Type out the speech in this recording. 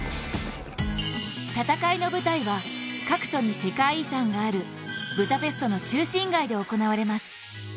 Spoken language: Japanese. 戦いの舞台は各所に世界遺産があるブダペストの中心街で行われます。